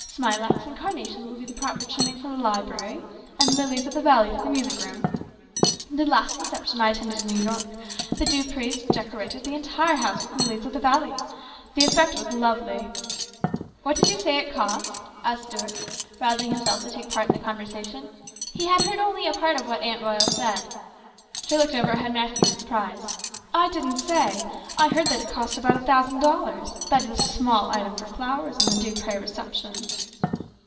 Smilax and carnations will be the proper trimming for the library, and lilies of the valley for the music room. The last reception I attended in New York, the Dupreys decorated the entire house with lilies of the valley. The effect was lovely." " What did you say it cost ?" asked Stuart, rousing himself to take part in the conversation. He had heard only a part of what Aunt Royal had said. She looked over at her nephew in surprise. " I didn't say. I heard that it cost about a thousand dollars. That is a small item for flowers in the Duprey receptions."